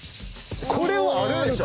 これはあるでしょ！